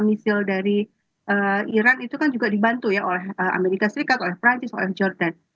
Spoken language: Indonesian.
dan misil dari iran itu kan juga dibantu ya oleh amerika serikat oleh perancis oleh jordan